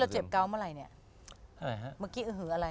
เราเจ็บเก้าเมื่อไหร่ค่ะเมื่อกี้อึ๋อะไร